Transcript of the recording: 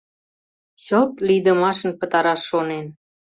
Чылт лийдымашын пытараш шонен